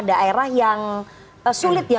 daerah yang sulit ya